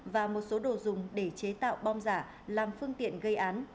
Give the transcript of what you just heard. và một số đồ dùng để chế tạo bom giả làm phương tiện gây án